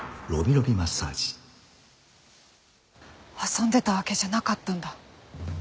遊んでたわけじゃなかったんだ。